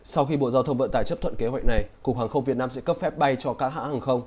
sau khi bộ giao thông vận tải chấp thuận kế hoạch này cục hàng không việt nam sẽ cấp phép bay cho các hãng hàng không